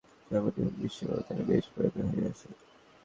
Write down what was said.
ভারতের খেলোয়াড়দের অভিজ্ঞতা যেমনই হোক, বিশ্বকাপে তারা বেশ পরিণত হয়েই আসে।